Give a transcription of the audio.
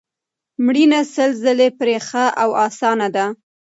مړینه سل ځله پرې ښه او اسانه ده